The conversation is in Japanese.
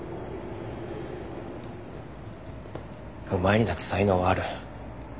お前にだって才能はある。